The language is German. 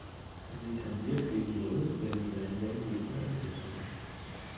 Sie tendiert gegen Null wenn die Wellenlängen gegen unendlich gehen.